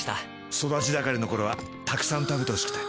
育ち盛りの頃はたくさん食べてほしくて。